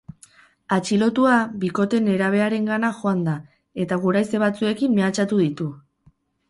Atxilotua bikote nerabearengana joan da, eta guraize batzuekin mehatxatu ditu.